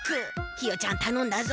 ひよちゃんたのんだぞ。